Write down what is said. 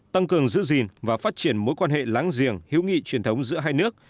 tăng cường giữ gìn và phát triển mối quan hệ láng giềng hiếu nghị truyền thống giữa hai nước